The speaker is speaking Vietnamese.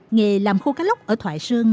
nghề làm khô cá lốc ở thoại sơn